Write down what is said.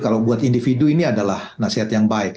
kalau buat individu ini adalah nasihat yang baik